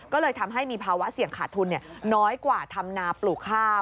ก็เลยทำให้มีภาวะเสี่ยงขาดทุนน้อยกว่าทำนาปลูกข้าว